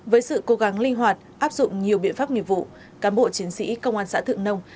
với sự cố gắng linh hoạt áp dụng nhiều biện pháp nghiệp vụ cán bộ chiến sĩ công an xã thượng nông